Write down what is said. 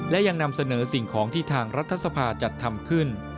และยังนำเสนอสิ่งของที่ทางรัฐสภาจัดทำขึ้น